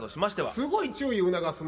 すごい注意促すね。